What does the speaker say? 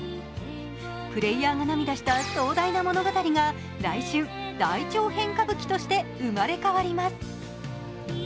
プレイヤーが涙した壮大な物語が来週、大長編歌舞伎として生まれ変わります。